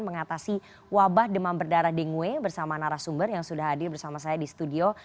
mengatasi wabah demam berdarah dengue bersama narasumber yang sudah hadir bersama saya di studio